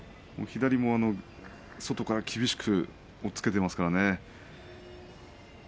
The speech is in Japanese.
左も外から厳しく押っつけていますから。